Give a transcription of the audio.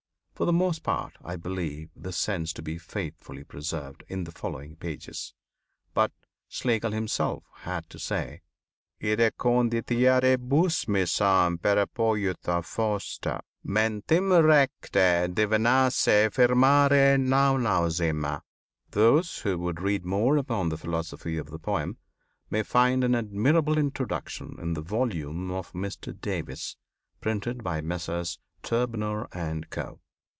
For the most part, I believe the sense to be faithfully preserved in the following pages; but Schlegel himself had to say: "In reconditioribus me semper poetafoster mentem recte divinasse affirmare non ausim." Those who would read more upon the philosophy of the poem may find an admirable introduction in the volume of Mr Davies, printed by Messrs Trubner & Co.